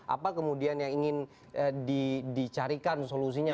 apa kemudian yang ingin dicarikan solusinya